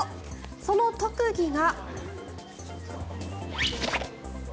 その特技が。